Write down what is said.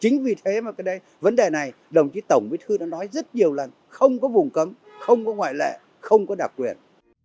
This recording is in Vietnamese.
ngày hai mươi tháng một năm hai nghìn hai mươi hai